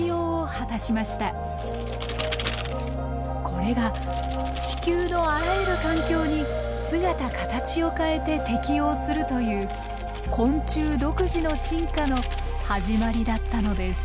これが地球のあらゆる環境に姿形を変えて適応するという昆虫独自の進化の始まりだったのです。